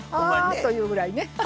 あっというぐらいね。